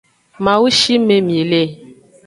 Mawu shime mi le.